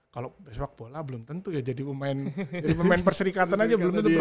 kalau sepak bola belum tentu ya jadi pemain perserikatan aja belum tentu